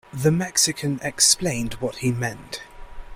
The Mexican explained what he meant.